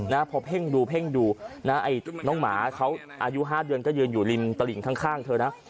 นะพอเพ่งดูเพ่งดูนะไอ้น้องหมาเขาอายุห้าเดือนก็ยืนอยู่ริมตลิ่งข้างเธอนะ